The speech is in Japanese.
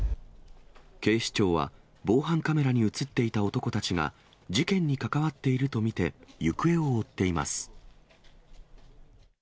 警視庁は、防犯カメラに写っていた男たちが、事件に関わっていると見て、行方を追っています。